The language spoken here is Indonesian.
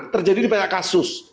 terjadi di banyak kasus